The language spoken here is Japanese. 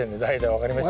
分かりました？